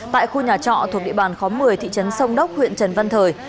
tại khu nhà trọ thuộc địa bàn khóm một mươi thị trấn sông đốc huyện trần văn thời